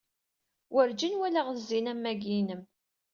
Werǧin walaɣ zzin am wagi-inem.